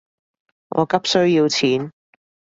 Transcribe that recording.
我急需要錢